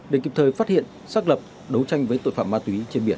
để kịp thời phát hiện xác lập đấu tranh với tội phạm ma túy trên biển